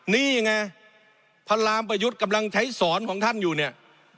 นี่ไงพระรามประยุทธ์กำลังใช้สอนของท่านอยู่เนี่ย